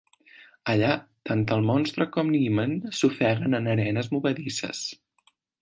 Allà, tant el monstre com Niemann s'ofeguen en arenes movedisses.